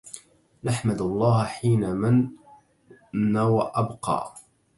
نحمد الله حين من وأبقى